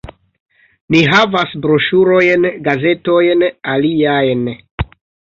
Ni havas broŝurojn, gazetojn, aliajn